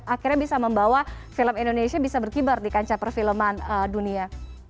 akhirnya bisa membawa film indonesia bisa berkibar di kancah perfilman dunia